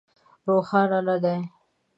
روښانه نه دي.